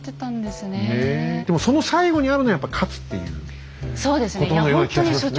でもその最後にあるのはやっぱり勝つということのような気がしますね。